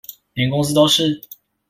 連公司都是？